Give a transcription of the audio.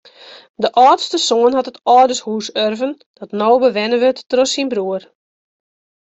De âldste soan hat it âldershûs urven dat no bewenne wurdt troch syn broer.